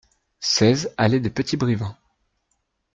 seize allée des Petits Brivins